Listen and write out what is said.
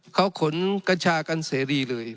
เขาขนกัญชากันเสรีเลย